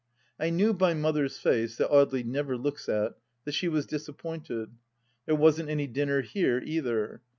I knew by Mother's face, that Audely never looks at, that she was disappointed. There wasn't any dinner here, either.